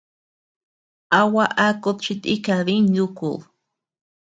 ¿A gua akud chi tika diñ nukud?